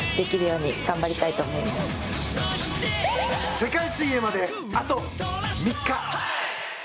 世界水泳まであと３日。